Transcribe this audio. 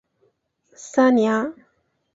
沙尼阿。